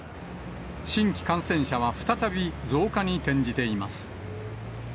新規感染者は再び増加に転じています。